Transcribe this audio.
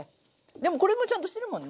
でもこれもちゃんとしてるもんね。